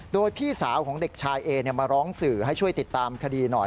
โดยพี่สาวของเด็กชายเอมาร้องสื่อให้ช่วยติดตามคดีหน่อย